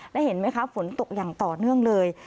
และเห็นไหมคะฝนตกอย่างต่อเนื่องเลย